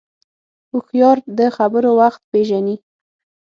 هوښیار د خبرو وخت پېژني